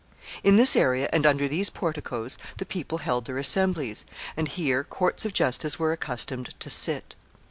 In this area and under these porticoes the people held their assemblies, and here courts of justice were accustomed to sit.